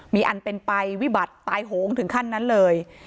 มีอันเป็นไปวิบัติตายโหงถึงขั้นนั้นเลย